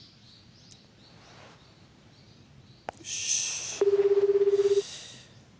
よし。